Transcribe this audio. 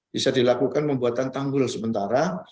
bisa dilakukan pembuatan tanggul sementara